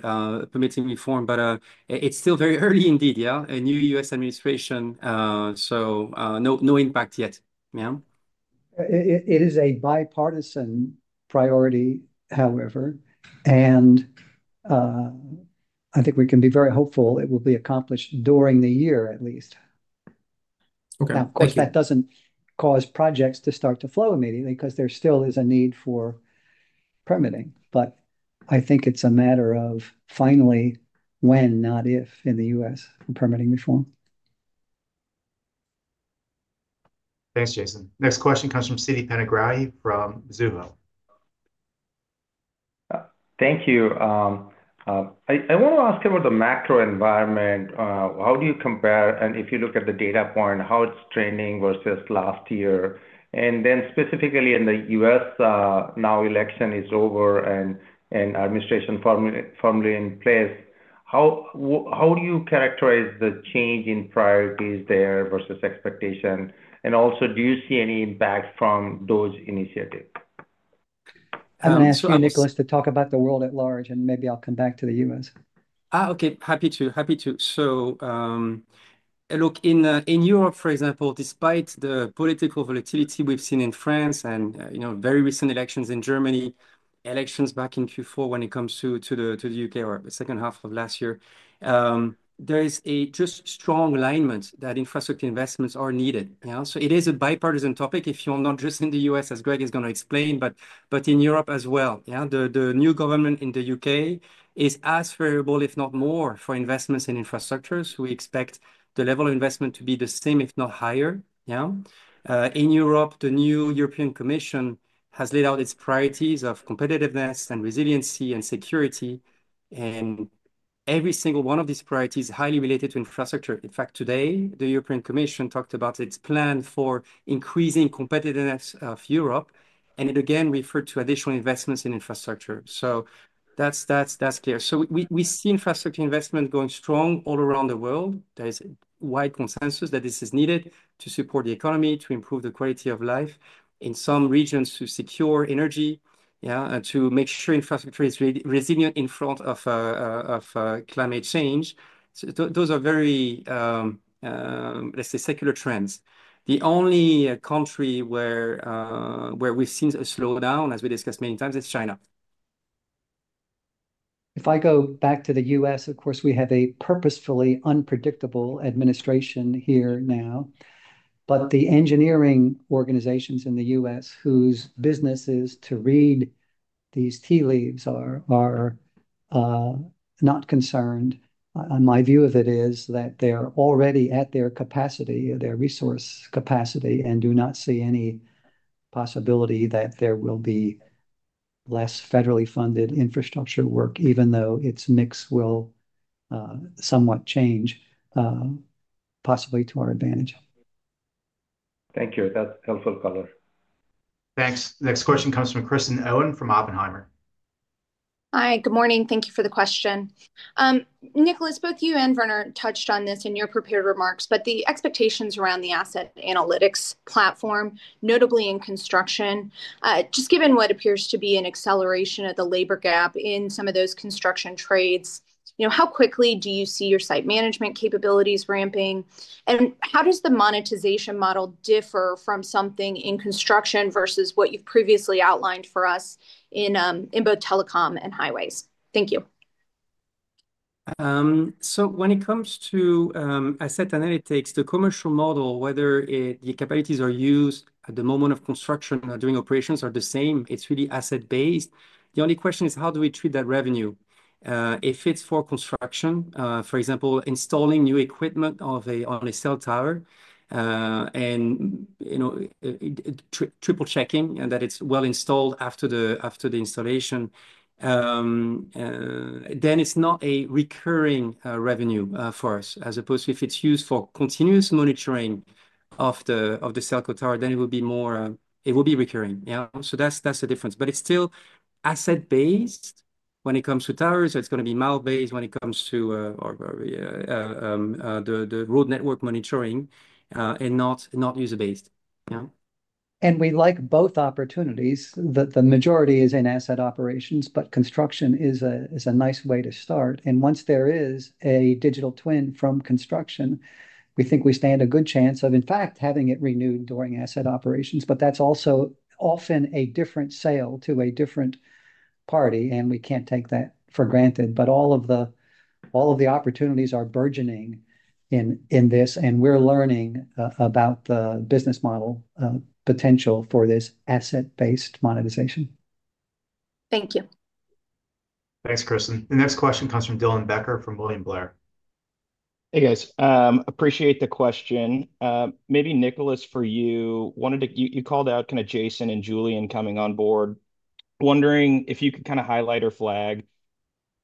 permitting reform, but it's still very early indeed, yeah? A new U.S. administration. So no impact yet. It is a bipartisan priority, however. And I think we can be very hopeful it will be accomplished during the year at least. Now, of course, that doesn't cause projects to start to flow immediately because there still is a need for permitting. But I think it's a matter of finally when, not if, in the U.S. for permitting reform. Thanks, Jason. Next question comes from Siti Panigrahi from Mizuho. Thank you. I want to ask about the macro environment. How do you compare? And if you look at the data point, how it's trending versus last year? And then specifically in the U.S., now election is over and administration formally in place, how do you characterize the change in priorities there versus expectation? And also, do you see any impact from those initiatives? I'm going to ask you, Nicholas, to talk about the world at large, and maybe I'll come back to the US. Okay. Happy to. So look, in Europe, for example, despite the political volatility we've seen in France and very recent elections in Germany, elections back in Q4 when it comes to the U.K. or the second half of last year, there is a just strong alignment that infrastructure investments are needed. So it is a bipartisan topic if you're not just in the U.S., as Greg is going to explain, but in Europe as well. The new government in the U.K. is as variable, if not more, for investments in infrastructures. We expect the level of investment to be the same, if not higher. In Europe, the new European Commission has laid out its priorities of competitiveness and resiliency and security. Every single one of these priorities is highly related to infrastructure. In fact, today, the European Commission talked about its plan for increasing competitiveness of Europe. And it again referred to additional investments in infrastructure. So that's clear. So we see infrastructure investment going strong all around the world. There is wide consensus that this is needed to support the economy, to improve the quality of life in some regions, to secure energy, to make sure infrastructure is resilient in front of climate change. Those are very, let's say, secular trends. The only country where we've seen a slowdown, as we discussed many times, is China. If I go back to the U.S., of course, we have a purposefully unpredictable administration here now. But the engineering organizations in the U.S. whose business is to read these tea leaves are not concerned. My view of it is that they are already at their capacity, their resource capacity, and do not see any possibility that there will be less federally funded infrastructure work, even though its mix will somewhat change, possibly to our advantage. Thank you. That's helpful, color. Thanks. Next question comes from Kristen Owen from Oppenheimer. Hi. Good morning. Thank you for the question. Nicholas, both you and Werner touched on this in your prepared remarks, but the expectations around the asset analytics platform, notably in construction, just given what appears to be an acceleration of the labor gap in some of those construction trades, how quickly do you see your site management capabilities ramping? And how does the monetization model differ from something in construction versus what you've previously outlined for us in both telecom and highways? Thank you. So when it comes to asset analytics, the commercial model, whether the capabilities are used at the moment of construction or during operations are the same, it's really asset-based. The only question is how do we treat that revenue? If it's for construction, for example, installing new equipment on a cell tower and triple checking that it's well installed after the installation, then it's not a recurring revenue for us. As opposed to if it's used for continuous monitoring of the cell tower, then it will be more recurring. So that's the difference. But it's still asset-based when it comes to towers. It's going to be mile-based when it comes to the road network monitoring and not user-based. And we like both opportunities. The majority is in asset operations, but construction is a nice way to start. And once there is a digital twin from construction, we think we stand a good chance of, in fact, having it renewed during asset operations. But that's also often a different sale to a different party, and we can't take that for granted. But all of the opportunities are burgeoning in this, and we're learning about the business model potential for this asset-based monetization. Thank you. Thanks, Kristen. The next question comes from Dylan Becker from William Blair. Hey, guys. Appreciate the question. Maybe Nicholas, for you, wanted to. You called out kind of Jason and Julien coming on board. Wondering if you could kind of highlight or flag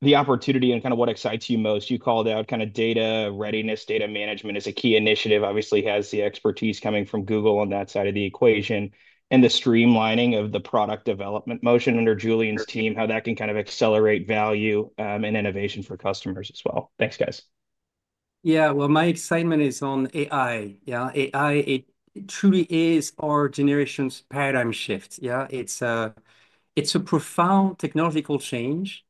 the opportunity and kind of what excites you most. You called out kind of data readiness, data management as a key initiative. Obviously, has the expertise coming from Google on that side of the equation and the streamlining of the product development motion under Julien's team, how that can kind of accelerate value and innovation for customers as well. Thanks, guys. Yeah. Well, my excitement is on AI. AI, it truly is our generation's paradigm shift. It's a profound technological change.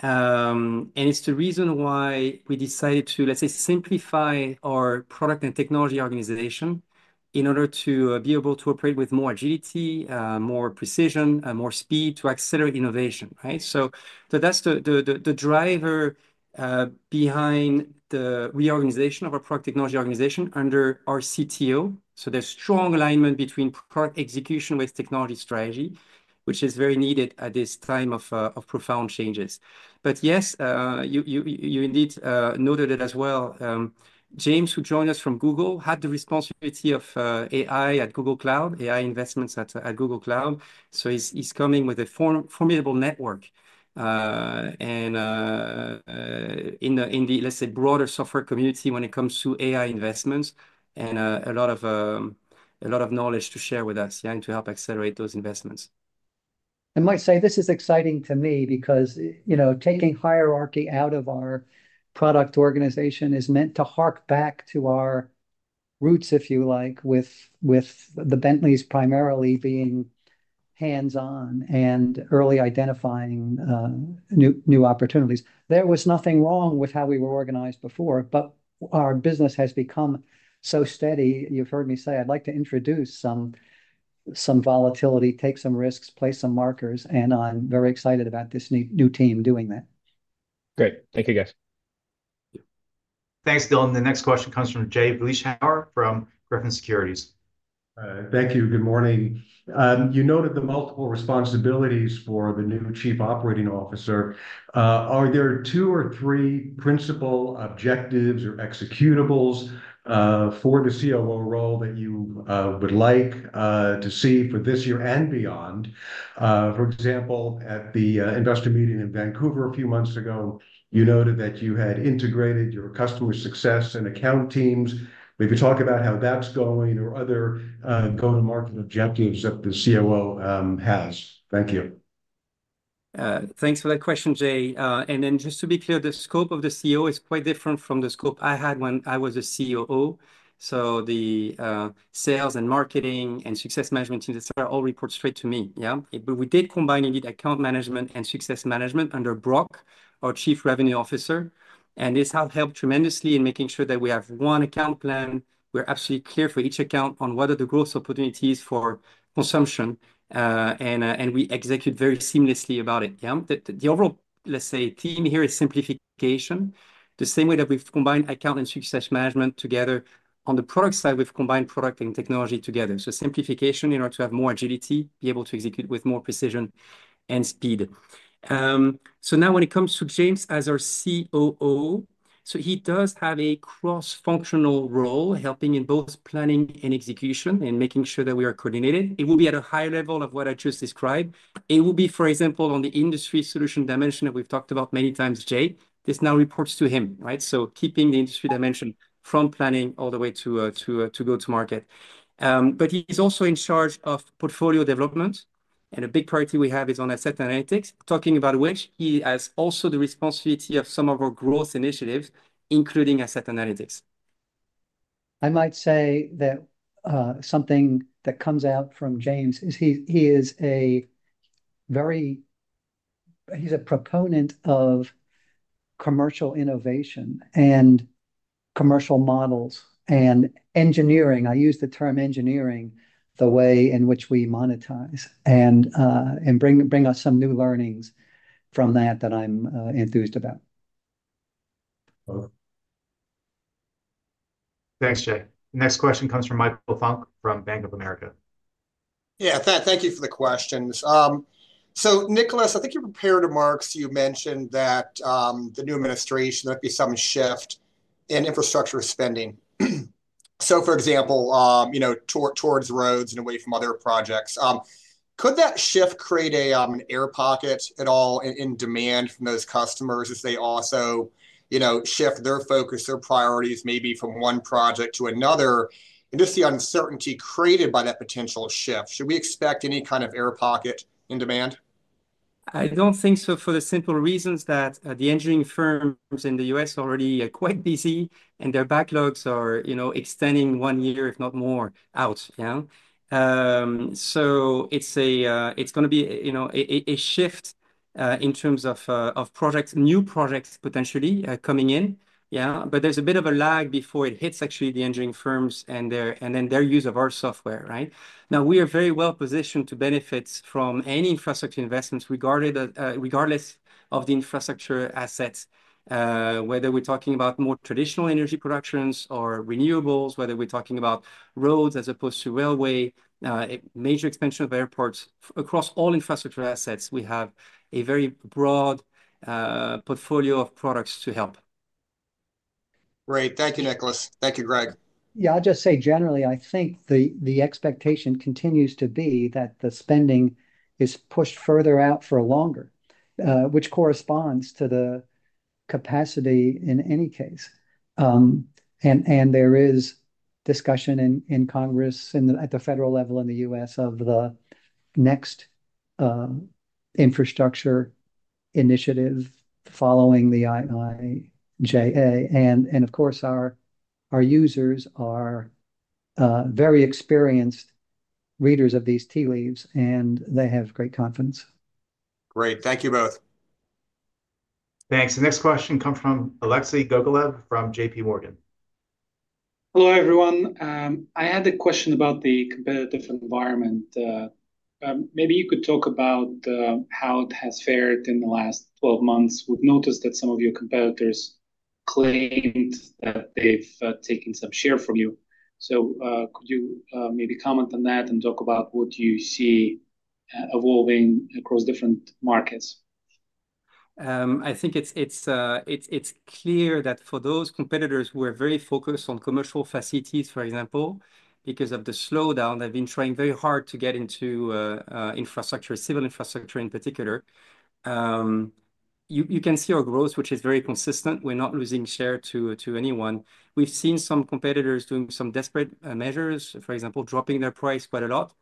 And it's the reason why we decided to, let's say, simplify our product and technology organization in order to be able to operate with more agility, more precision, more speed to accelerate innovation. So that's the driver behind the reorganization of our product technology organization under our CTO. So there's strong alignment between product execution with technology strategy, which is very needed at this time of profound changes. But yes, you indeed noted it as well. James, who joined us from Google, had the responsibility of AI at Google Cloud, AI investments at Google Cloud. So he's coming with a formidable network in the, let's say, broader software community when it comes to AI investments and a lot of knowledge to share with us and to help accelerate those investments. I might say this is exciting to me because taking hierarchy out of our product organization is meant to hark back to our roots, if you like, with the Bentleys primarily being hands-on and early identifying new opportunities. There was nothing wrong with how we were organized before, but our business has become so steady. You've heard me say I'd like to introduce some volatility, take some risks, play some markets, and I'm very excited about this new team doing that. Great. Thank you, guys. Thanks, Dylan. The next question comes from Jay Vleeschhouwer from Griffin Securities. Thank you. Good morning. You noted the multiple responsibilities for the new Chief Operating Officer. Are there two or three principal objectives or executables for the COO role that you would like to see for this year and beyond? For example, at the investor meeting in Vancouver a few months ago, you noted that you had integrated your customer success and account teams. Maybe talk about how that's going or other go-to-market objectives that the COO has. Thank you. Thanks for that question, Jay. To be clear, the scope of the COO is quite different from the scope I had when I was a COO. So the sales and marketing and success management teams, etc., all report straight to me. We did combine indeed account management and success management under Brock, our Chief Revenue Officer. And this has helped tremendously in making sure that we have one account plan. We're absolutely clear for each account on what are the growth opportunities for consumption. And we execute very seamlessly about it. The overall, let's say, theme here is simplification. The same way that we've combined account and success management together. On the product side, we've combined product and technology together. So simplification in order to have more agility, be able to execute with more precision and speed. So now when it comes to James as our COO, so he does have a cross-functional role helping in both planning and execution and making sure that we are coordinated. It will be at a higher level of what I just described. It will be, for example, on the industry solution dimension that we've talked about many times, Jay. This now reports to him, right? So keeping the industry dimension from planning all the way to go-to-market. But he's also in charge of portfolio development. And a big priority we have is on asset analytics, talking about which he has also the responsibility of some of our growth initiatives, including asset analytics. I might say that something that comes out from James is he is a very he's a proponent of commercial innovation and commercial models and engineering. I use the term engineering the way in which we monetize and bring us some new learnings from that that I'm enthused about. Thanks, Jay. Next question comes from Michael Funk from Bank of America. Yeah, thank you for the questions. So, Nicholas, I think your prepared remarks. You mentioned that the new administration, there'd be some shift in infrastructure spending. So, for example, towards roads and away from other projects. Could that shift create an air pocket at all in demand from those customers as they also shift their focus, their priorities maybe from one project to another? And just the uncertainty created by that potential shift, should we expect any kind of air pocket in demand? I don't think so for the simple reasons that the engineering firms in the U.S. are already quite busy and their backlogs are extending one year, if not more, out. So it's going to be a shift in terms of new projects potentially coming in. But there's a bit of a lag before it hits actually the engineering firms and then their use of our software. Now, we are very well positioned to benefit from any infrastructure investments regardless of the infrastructure assets, whether we're talking about more traditional energy productions or renewables, whether we're talking about roads as opposed to railway, major expansion of airports. Across all infrastructure assets, we have a very broad portfolio of products to help. Great. Thank you, Nicholas. Thank you, Greg. Yeah, I'll just say generally, I think the expectation continues to be that the spending is pushed further out for longer, which corresponds to the capacity in any case. And there is discussion in Congress at the federal level in the U.S. of the next infrastructure initiative following the IIJA. And of course, our users are very experienced readers of these tea leaves, and they have great confidence. Great. Thank you both. Thanks. The next question comes from Alexei Gogolev from JPMorgan. Hello, everyone. I had a question about the competitive environment. Maybe you could talk about how it has fared in the last 12 months. We've noticed that some of your competitors claimed that they've taken some share from you. So could you maybe comment on that and talk about what you see evolving across different markets? I think it's clear that for those competitors who are very focused on commercial facilities, for example, because of the slowdown, they've been trying very hard to get into infrastructure, civil infrastructure in particular. You can see our growth, which is very consistent. We're not losing share to anyone. We've seen some competitors doing some desperate measures, for example, dropping their price quite a lot.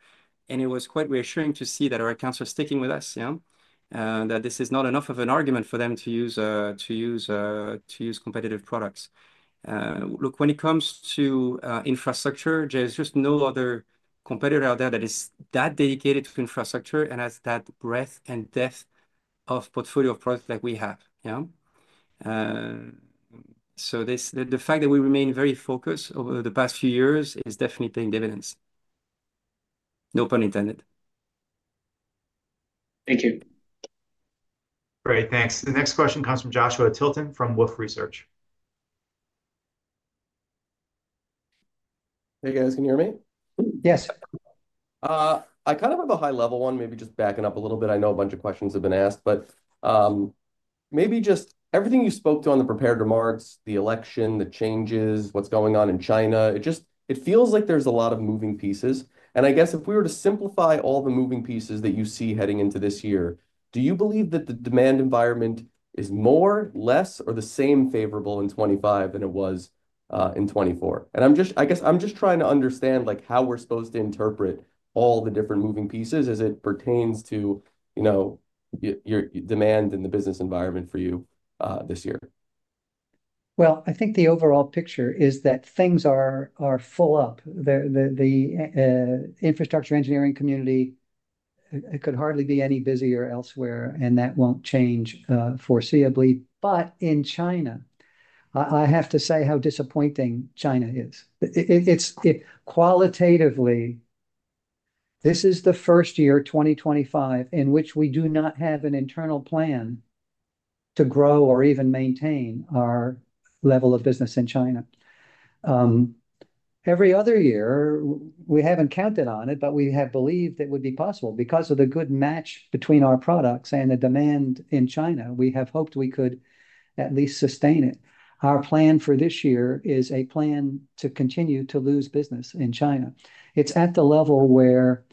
And it was quite reassuring to see that our accounts are sticking with us, that this is not enough of an argument for them to use competitive products. Look, when it comes to infrastructure, there's just no other competitor out there that is that dedicated to infrastructure and has that breadth and depth of portfolio of products that we have. So the fact that we remain very focused over the past few years is definitely paying dividends. No pun intended. Thank you. Great. Thanks. The next question comes from Joshua Tilton from Wolfe Research. Hey, guys, can you hear me? Yes. I kind of have a high-level one, maybe just backing up a little bit. I know a bunch of questions have been asked, but maybe just everything you spoke to on the prepared remarks, the election, the changes, what's going on in China, it feels like there's a lot of moving pieces. I guess if we were to simplify all the moving pieces that you see heading into this year, do you believe that the demand environment is more, less, or the same favorable in 2025 than it was in 2024? I guess I'm just trying to understand how we're supposed to interpret all the different moving pieces as it pertains to your demand and the business environment for you this year. I think the overall picture is that things are full up. The infrastructure engineering community could hardly be any busier elsewhere, and that won't change foreseeably. In China, I have to say how disappointing China is. Qualitatively, this is the first year, 2025, in which we do not have an internal plan to grow or even maintain our level of business in China. Every other year, we haven't counted on it, but we have believed it would be possible. Because of the good match between our products and the demand in China, we have hoped we could at least sustain it. Our plan for this year is a plan to continue to lose business in China. It's at the level where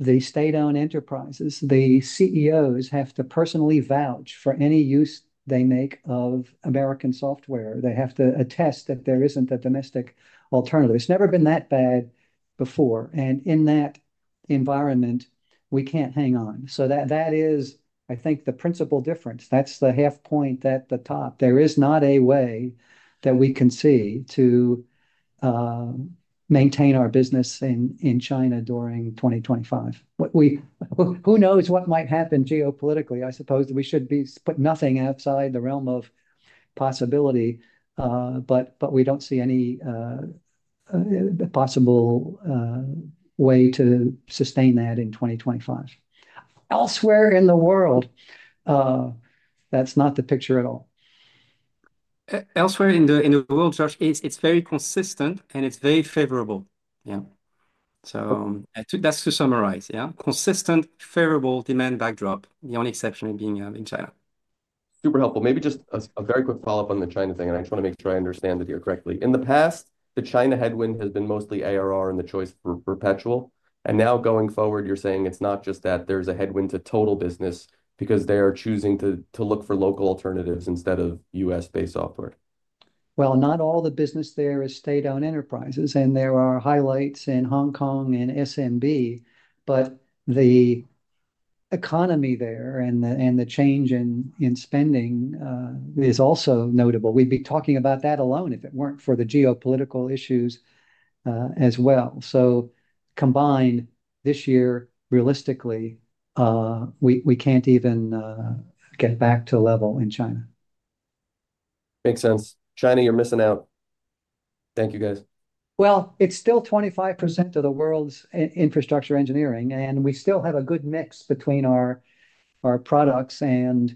the state-owned enterprises, the CEOs, have to personally vouch for any use they make of American software. They have to attest that there isn't a domestic alternative. It's never been that bad before, and in that environment, we can't hang on, so that is, I think, the principal difference. That's the half point at the top. There is not a way that we can see to maintain our business in China during 2025. Who knows what might happen geopolitically? I suppose we should put nothing outside the realm of possibility, but we don't see any possible way to sustain that in 2025. Elsewhere in the world, that's not the picture at all. Elsewhere in the world, Josh, it's very consistent and it's very favorable. Yeah. So that's to summarize. Yeah. Consistent, favorable demand backdrop, the only exception being in China. Super helpful. Maybe just a very quick follow-up on the China thing, and I just want to make sure I understand it here correctly. In the past, the China headwind has been mostly ARR and the choice for perpetual. And now going forward, you're saying it's not just that there's a headwind to total business because they are choosing to look for local alternatives instead of U.S.-based software. Not all the business there is state-owned enterprises, and there are highlights in Hong Kong and SMB, but the economy there and the change in spending is also notable. We'd be talking about that alone if it weren't for the geopolitical issues as well. Combined, this year, realistically, we can't even get back to a level in China. Makes sense. China, you're missing out. Thank you, guys. It's still 25% of the world's infrastructure engineering, and we still have a good mix between our products and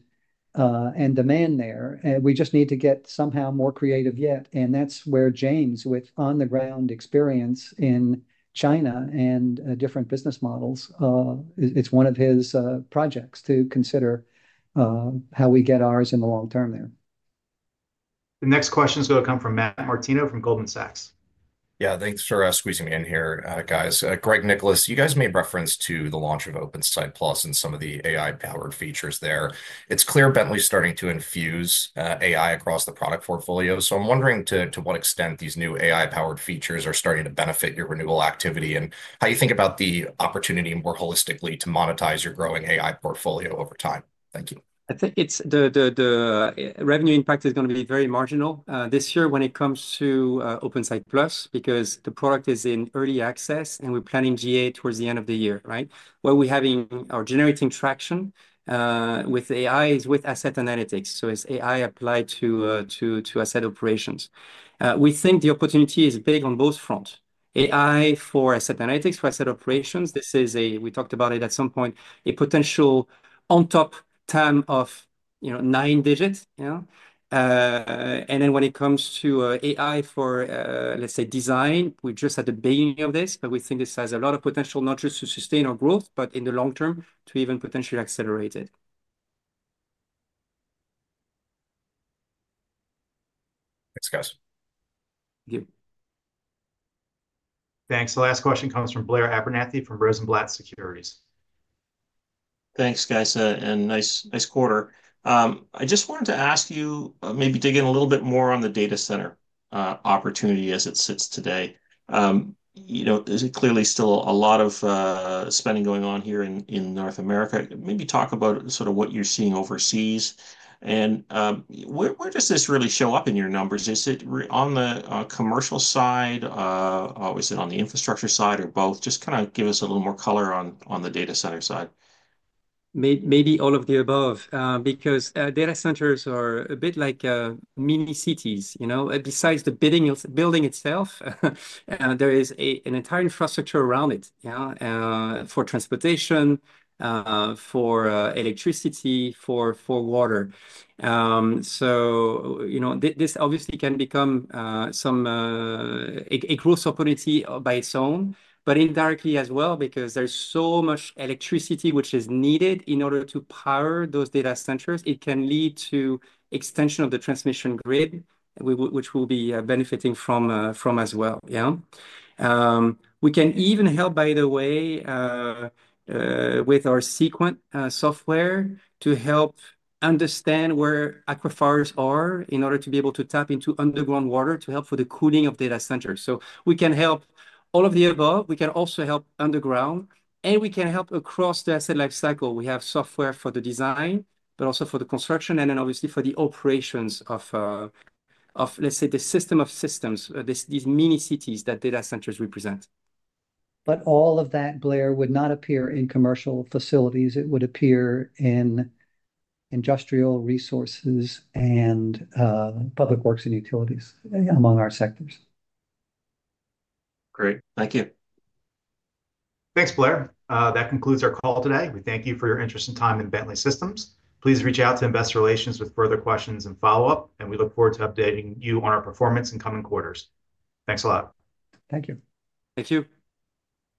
demand there. We just need to get somehow more creative yet. And that's where James, with on-the-ground experience in China and different business models, it's one of his projects to consider how we get ours in the long term there. The next question is going to come from Matt Martino from Goldman Sachs. Yeah, thanks for squeezing me in here, guys. Greg, Nicholas, you guys made reference to the launch of OpenSite+ and some of the AI-powered features there. It's clear Bentley's starting to infuse AI across the product portfolio. So I'm wondering to what extent these new AI-powered features are starting to benefit your renewal activity and how you think about the opportunity more holistically to monetize your growing AI portfolio over time. Thank you. I think the revenue impact is going to be very marginal this year when it comes to OpenSite+ because the product is in early access and we're planning GA towards the end of the year, right? What we're having, or generating traction with AI is with asset analytics. So it's AI applied to asset operations. We think the opportunity is big on both fronts. AI for asset analytics, for asset operations. This is a. We talked about it at some point, a potential on-top TAM of nine digits. And then when it comes to AI for, let's say, design, we're just at the beginning of this, but we think this has a lot of potential not just to sustain our growth, but in the long term to even potentially accelerate it. Thanks, guys. Thank you. Thanks. The last question comes from Blair Abernethy from Rosenblatt Securities. Thanks, guys, and nice quarter. I just wanted to ask you, maybe dig in a little bit more on the data center opportunity as it sits today. There's clearly still a lot of spending going on here in North America. Maybe talk about sort of what you're seeing overseas. And where does this really show up in your numbers? Is it on the commercial side? Is it on the infrastructure side or both? Just kind of give us a little more color on the data center side. Maybe all of the above because data centers are a bit like mini cities. Besides the building itself, there is an entire infrastructure around it for transportation, for electricity, for water. So this obviously can become a growth opportunity by its own, but indirectly as well because there's so much electricity which is needed in order to power those data centers. It can lead to extension of the transmission grid, which we'll be benefiting from as well. We can even help, by the way, with our Seequent software to help understand where aquifers are in order to be able to tap into underground water to help for the cooling of data centers. So we can help all of the above. We can also help underground, and we can help across the asset lifecycle. We have software for the design, but also for the construction, and then obviously for the operations of, let's say, the system of systems, these mini cities that data centers represent. But all of that, Blair, would not appear in commercial facilities. It would appear in industrial resources and public works and utilities among our sectors. Great. Thank you. Thanks, Blair. That concludes our call today. We thank you for your interest and time in Bentley Systems. Please reach out to Investor Relations with further questions and follow-up, and we look forward to updating you on our performance in coming quarters. Thanks a lot. Thank you. Thank you.